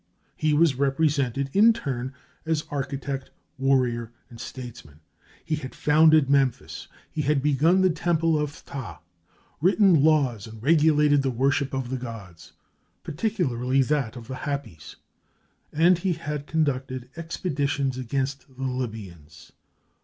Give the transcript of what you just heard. He was represented in turn as architect, warrior, and statesman; he had founded Memphis, he had begun the temple of Phtah, written laws and regulated the worship of the gods, particularly that of Hapis, and he had conducted expeditions against the Libyans.